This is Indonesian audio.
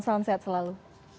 salam sehat selalu